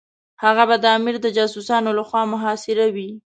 هغه به د امیر د جاسوسانو لخوا محاصره وي.